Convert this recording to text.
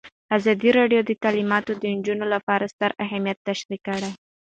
ازادي راډیو د تعلیمات د نجونو لپاره ستر اهميت تشریح کړی.